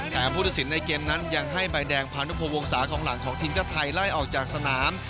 แต่ผู้ตัดสินในเกมนั้นยังให้ใบแดงพานุพงวงศาของหลังของทีมชาติไทยไล่ออกจากสนาม